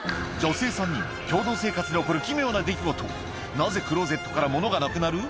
なぜクローゼットから物がなくなる？